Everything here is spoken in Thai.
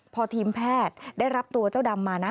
พอทีมแพทย์ได้รับตัวเจ้าดำมานะ